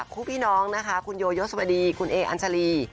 คู่พี่น้องนะคะคุณโยยศวดีคุณเออัญชาลี